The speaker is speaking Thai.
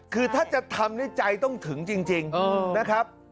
คือถ้าจะทำในใจต้องถึงจริงนะครับ